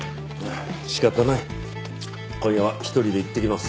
仕方ない今夜は一人で行ってきます。